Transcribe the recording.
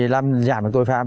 làm giảm tội phạm